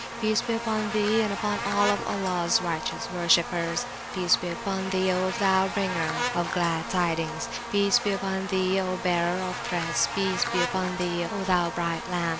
Peace be upon Thee, and upon all Allah's righteous Worshippers! Peace be upon Thee, O thou Bringer of Glad Tidings! Peace be upon Thee, O Bearer of Threats! Peace be upon Thee, O thou bright Lamp!